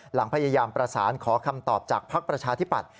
หลังพยายามประสานขอคำตอบจากภักดิ์ประชาธิปัตย